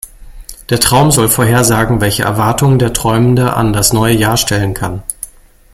Der Traum soll vorhersagen, welche Erwartungen der Träumende an das neue Jahr stellen kann.